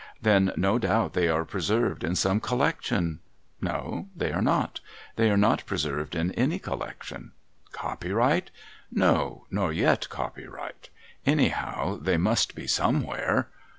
Then no doubt they are preserved in some Collection ? No, they are not ; they are not preserved in any Collection. Copyright? No, nor yet copyright. Anyhow they must be somewhere